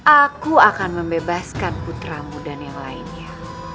aku akan membebaskan putramu dan yang lainnya